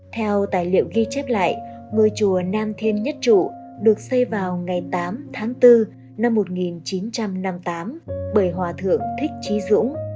theo tài liệu ghi chép lại ngôi chùa nam thiên nhất trụ được xây vào ngày tám tháng bốn năm một nghìn chín trăm năm mươi tám bởi hòa thượng thích trí dũng